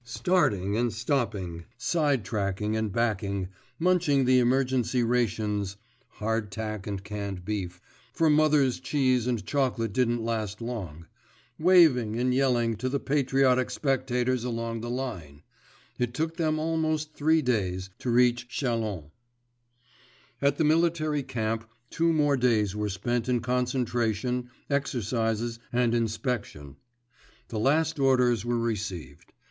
Starting and stopping, side tracking and backing—munching the emergency rations (hard tack and canned beef), for mother's cheese and chocolate didn't last long—waving and yelling to the patriotic spectators along the line, it took them almost three days to reach Châlons. At the military camp two more days were spent in concentration, exercises, and inspection. The last orders were received.